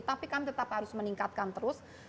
tapi kami tetap harus meningkatkan terus